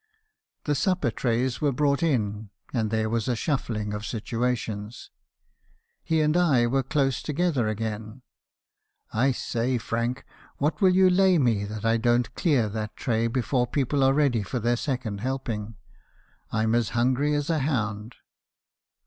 "The supper trays were brought in, and there was a shuffling of situations. He and I were close together again. " 'I say , Frank, what will you lay me that I don't clear that tray before people are ready for their second helping? I 'm as hungry as a hound.'